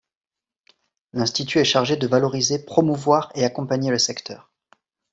L'institut est chargé de valoriser, promouvoir et accompagner le secteur.